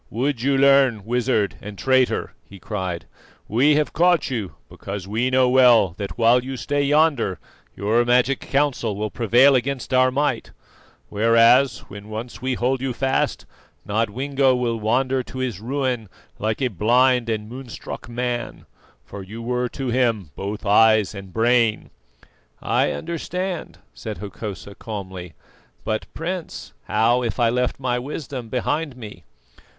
"Would you learn, wizard and traitor?" he cried. "We have caught you because we know well that while you stay yonder your magic counsel will prevail against our might; whereas, when once we hold you fast, Nodwengo will wander to his ruin like a blind and moonstruck man, for you were to him both eyes and brain." "I understand," said Hokosa calmly. "But, Prince, how if I left my wisdom behind me?"